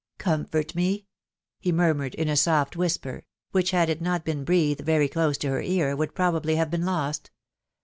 " Comfort me !".... he murmured in a soft whisper, which, had it not been breathed very close to her ear, would probably have been lost